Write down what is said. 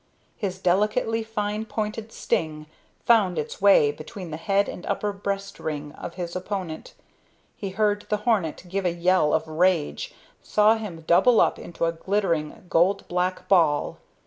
His delicately fine pointed sting found its way between the head and upper breast ring of his opponent; he heard the hornet give a yell of rage, saw him double up into a glittering, gold black ball.